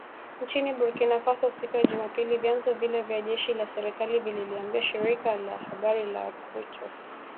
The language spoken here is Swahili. Nchini Burkina Faso siku ya Jumapili ,vyanzo vile vya jeshi la serikali vililiambia shirika la habari la Reuters